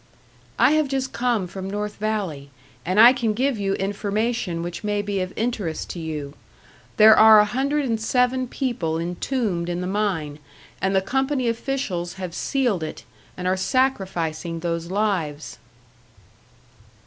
"I have just come from North Valley, and I can give you information which may be of interest to you. There are a hundred and seven people entombed in the mine, and the company officials have sealed it, and are sacrificing those lives."